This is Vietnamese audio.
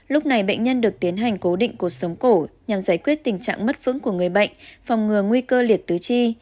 lúc này bệnh nhân được tiến hành cố định cuộc sống cổ nhằm giải quyết tình trạng mất vững của người bệnh phòng ngừa nguy cơ liệt tứ chi